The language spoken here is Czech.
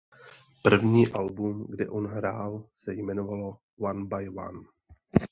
První album kde on hrál se jmenovalo One by One.